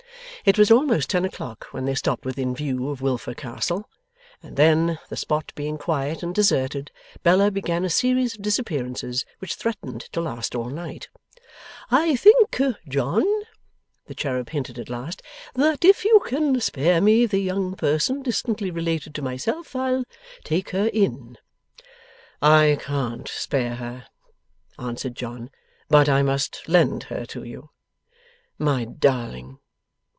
It was almost ten o'clock when they stopped within view of Wilfer Castle; and then, the spot being quiet and deserted, Bella began a series of disappearances which threatened to last all night. 'I think, John,' the cherub hinted at last, 'that if you can spare me the young person distantly related to myself, I'll take her in.' 'I can't spare her,' answered John, 'but I must lend her to you. My Darling!